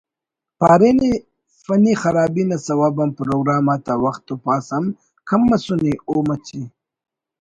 پارینے فنی خرابی نا سوب آن پروگرام آتا وخت پاس ہم کم مسنے او مچے